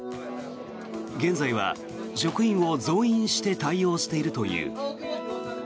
現在は職員を増員して対応しているという。